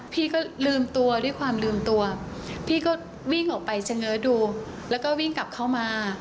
พี่ก็ลืมตัวด้วยความลืมตัวพี่ก็วิ่งออกไปเฉง้อดูแล้วก็วิ่งกลับเข้ามา